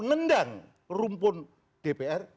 nendang rumpun dpr